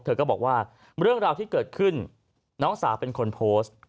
เธอก็บอกว่าเรื่องราวที่เกิดขึ้นน้องสาวเป็นคนโพสต์